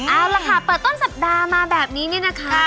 เอาล่ะค่ะเปิดต้นสัปดาห์มาแบบนี้เนี่ยนะคะ